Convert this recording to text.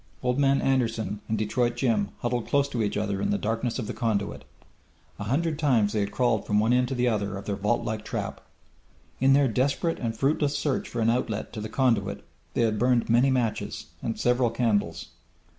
Old Man Anderson and Detroit Jim huddled close to each other in the darkness of the conduit. A hundred times they had crawled from one end to the other of their vaultlike trap! In their desperate and fruitless search for an outlet to the conduit they had burned many matches and several candles.